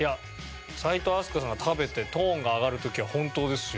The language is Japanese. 齋藤飛鳥さんが食べてトーンが上がる時は本当ですよ。